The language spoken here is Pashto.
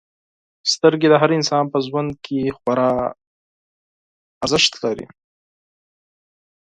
• سترګې د هر انسان په ژوند کې خورا اهمیت لري.